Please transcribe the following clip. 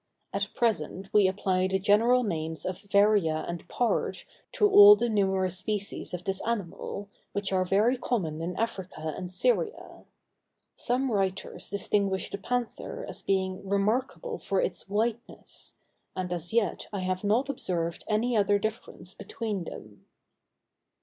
At present we apply the general names of varia and pard to all the numerous species of this animal, which are very common in Africa and Syria. Some writers distinguish the panther as being remarkable for its whiteness: and as yet I have not observed any other difference between them.